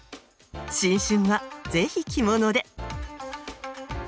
新春はぜひ着物で！